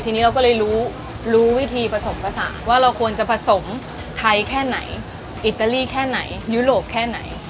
ทีนี้เราก็เลยรู้รู้วิธีผสมผสานว่าเราควรจะผสมไทยแค่ไหนอิตาลีแค่ไหนยุโรปแค่ไหน